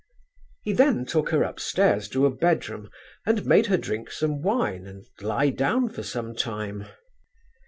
He then took her up stairs to a bedroom and made her drink some wine and lie down for some time.